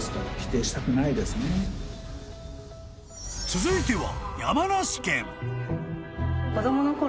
［続いては］